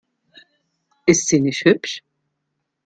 Ist sie nicht hübsch?